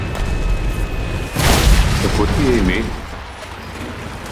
Kako ti je ime?